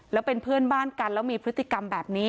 แล้วเป็นเพื่อนบ้านกันแล้วมีพฤติกรรมแบบนี้